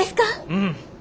うん。